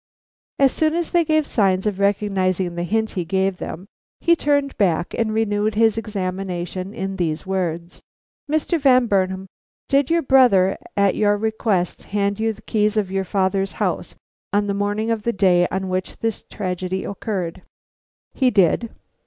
As soon as they gave signs of recognizing the hint he gave them, he turned back, and renewed his examination in these words: "Mr. Van Burnam, did your brother at your request hand you the keys of your father's house on the morning of the day on which this tragedy occurred?" "He did."